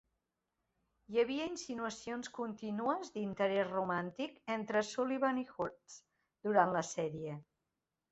Hi ha havia insinuacions contínues d'interès romàntic entre Sullivan i Hurst durant la sèrie.